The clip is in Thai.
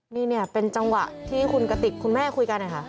นี่เนี่ยเป็นจังหวะที่คุณกติกคุณแม่คุยกันนะคะ